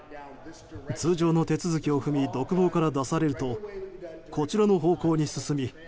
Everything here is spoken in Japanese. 通常の手続きを踏み独房から出されるとこちらの方向に進み